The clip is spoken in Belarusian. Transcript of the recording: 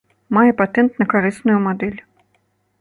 Мае патэнт на карысную мадэль.